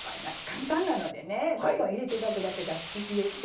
簡単なのでねどんどん入れていくだけですよ。